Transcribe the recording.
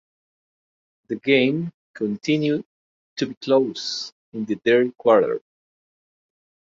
The game continued to be close in the third quarter.